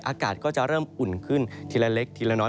อากาศก็จะเริ่มอุ่นขึ้นทีละเล็กทีละน้อย